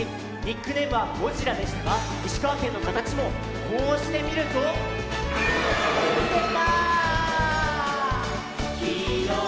ニックネームは「ゴジラ」でしたが石川県のかたちもこうしてみるとでた！